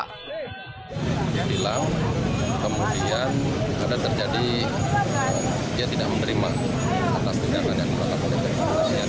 tidak terdapat pemberian kemudian terjadi dia tidak menerima atas tindakan yang telah diperlukan oleh bripkjrh sugian